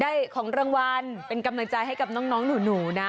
ของรางวัลเป็นกำลังใจให้กับน้องหนูนะ